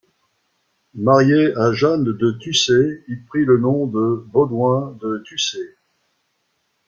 Marié à Jeanne de Tucé, il prit le nom de Baudouin de Tucé.